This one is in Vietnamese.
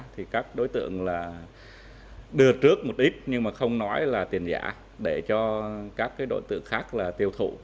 thì các đối tượng đưa trước một ít nhưng không nói là tiền giả để cho các đối tượng khác tiêu thụ